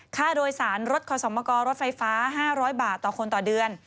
ค่าโดยสารรถคสมกรรถไฟฟ้า๕๐๐บาทต่อคนต่อเดือน